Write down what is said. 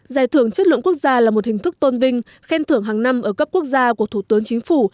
giải thưởng chất lượng quốc gia là một hình thức tôn vinh khen thưởng hàng năm ở cấp quốc gia của thủ tướng chính phủ